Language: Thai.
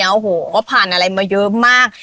โอ้โหก็ผ่านอะไรมาเยอะมาก